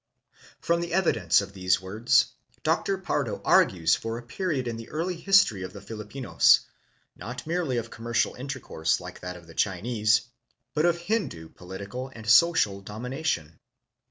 From the evidence of these words, Dr. Pardo argues for a period in the early history of the Filipinos, not merely of commercial intercourse, like that of the Chinese, but of Hindu political and social domination.